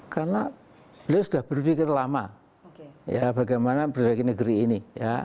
karena beliau sudah berpikir lama bagaimana berdagang negeri ini